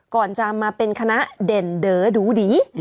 ก่อนจะมาเป็นคณะเด่นเดอดูดี